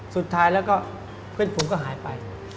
สุดท้ายแล้วก็เพื่อนผมก็หายไป